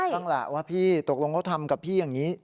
บ้างแหละว่าพี่ตกลงเขาทำกับพี่อย่างนี้